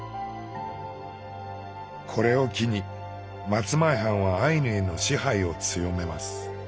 これを機に松前藩はアイヌへの支配を強めます。